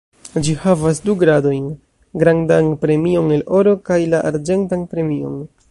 Ĝi havas du gradojn: Grandan premion el oro kaj la arĝentan premion.